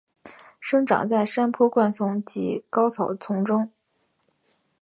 生长在山坡灌丛及高草丛中。